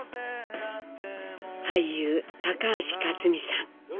俳優高橋克実さん。